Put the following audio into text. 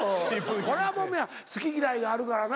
これはもう皆好き嫌いがあるからな。